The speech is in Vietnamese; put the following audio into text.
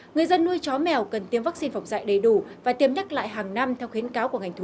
người dân nuôi chó mèo cần tiêm vaccine phòng dạy đầy đủ và tiêm nhắc lại hàng năm theo khuyến cáo của ngành thú y